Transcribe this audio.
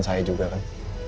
saya juga kan